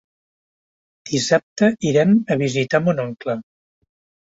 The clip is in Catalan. Dissabte irem a visitar mon oncle.